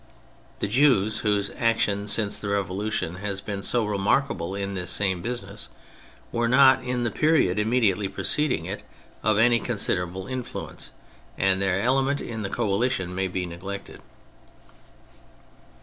The Jews, whose action since the Revolution has been so remarkable in this same business, were not, in the period immediately preceding it, of any considerable influence, and their element in the coalition may be neglected.